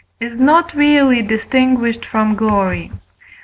is not really distinguished from glory.